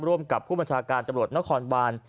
ร่วมกับผู้บัญชาการตำรวจนครบาน